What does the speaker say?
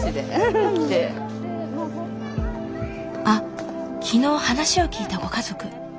あっ昨日話を聞いたご家族。